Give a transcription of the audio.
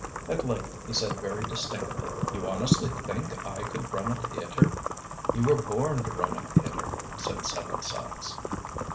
At length he said very distinctly: "You honestly think I could run a theatre?" "You were born to run a theatre," said Seven Sachs.